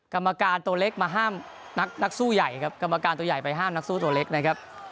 กรรมการตัวเล็กมาห้ามนักสู้ใหญ่ครับกรรมการตัวใหญ่ไปห้ามนักสู้ตัวเล็กนะครับ